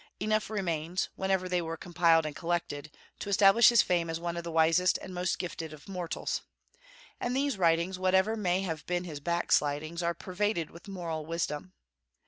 Enough remains, whenever they were compiled and collected, to establish his fame as one of the wisest and most gifted of mortals. And these writings, whatever may have been his backslidings, are pervaded with moral wisdom.